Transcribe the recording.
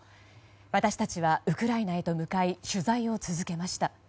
私たちはウクライナへと向かい取材を続けました。